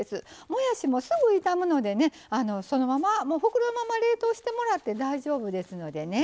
もやしもすぐ傷むのでねそのままもう袋のまま冷凍してもらって大丈夫ですのでね。